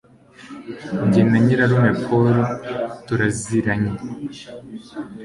Jye na nyirarume Paul turaziranye